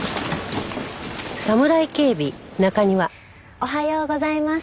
おはようございます。